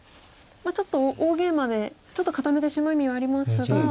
ちょっと大ゲイマでちょっと固めてしまう意味はありますが。